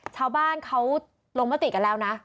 ชาวบ้านเขาลงมติกันแล้วนะ